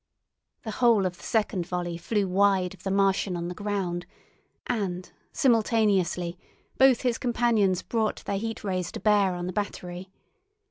The whole of the second volley flew wide of the Martian on the ground, and, simultaneously, both his companions brought their Heat Rays to bear on the battery.